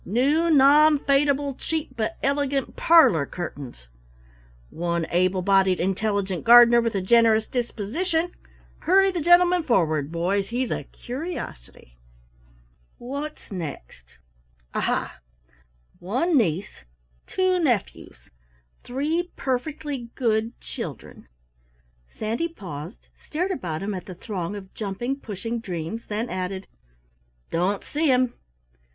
New Non fadable Cheap but Elegant Parlor Curtains One Able bodied Intelligent Gardener, with a Generous Disposition hurry the gentleman forward, boys, he's a curiosity! What's next? Aha! One niece, two nephews three perfectly good children." Sandy paused, stared about him at the throng of jumping, pushing dreams then added: "Don't see 'em."